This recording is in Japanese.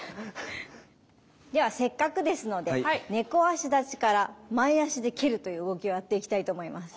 ではせっかくですので猫足立ちから前足で蹴るという動きをやっていきたいと思います。